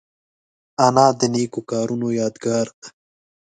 انا د نیکو کارونو یادګار ده